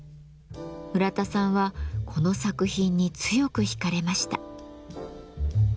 村田さんはこの作品に強く引かれました。